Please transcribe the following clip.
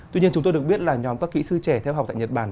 tuy nhiên chúng tôi được biết là nhóm các kỹ sư trẻ theo học tại nhật bản